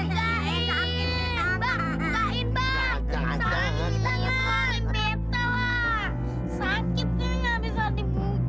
sakitnya gak bisa dibuka